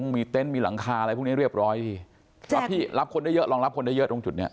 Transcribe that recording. มีเต็นต์มีหลังคาอะไรพวกนี้เรียบร้อยพี่รับพี่รับคนได้เยอะรองรับคนได้เยอะตรงจุดเนี้ย